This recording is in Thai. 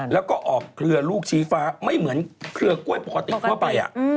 แล้วก็ออกเครือลูกชี้ฟ้าไม่เหมือนเครือกล้วยปกติทั่วไป